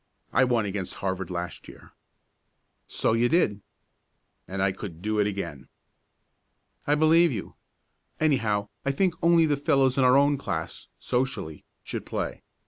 I won against Harvard last year." "So you did." "And I could do it again." "I believe you. Anyhow I think only the fellows in our own class socially should play.